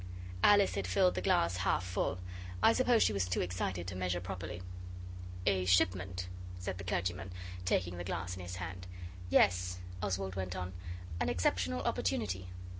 Alice had filled the glass half full; I suppose she was too excited to measure properly. 'A shipment?' said the clergyman, taking the glass in his hand. 'Yes,' Oswald went On; 'an exceptional opportunity.